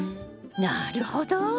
なるほど！